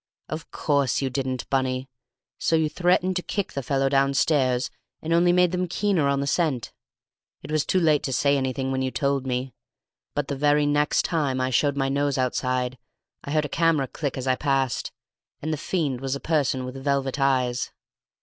"Of course you didn't, Bunny, so you threatened to kick the fellow downstairs, and only made them keener on the scent. It was too late to say anything when you told me. But the very next time I showed my nose outside I heard a camera click as I passed, and the fiend was a person with velvet eyes.